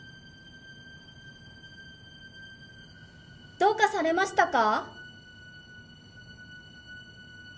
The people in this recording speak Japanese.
・・・どうかされましたか？